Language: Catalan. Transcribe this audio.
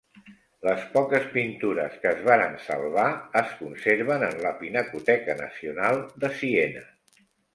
Les poques pintures que es varen salvar es conserven en la Pinacoteca Nacional de Siena.